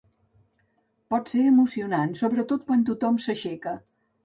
Pot ser emocionant, sobretot quan tothom s'aixeca.